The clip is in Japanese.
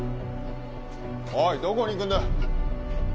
おい、どこに行くんだ。